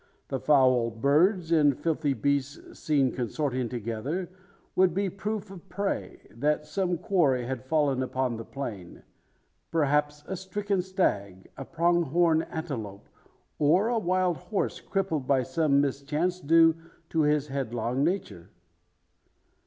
The foul birds and filthy beasts seen consorting together, would be proof of prey that some quarry had fallen upon the plain. Perhaps, a stricken stag, a prong horn antelope, or a wild horse crippled by some mischance due to his headlong nature?